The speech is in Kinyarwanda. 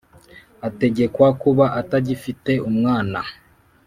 Ategekwa kuba atagifite umwana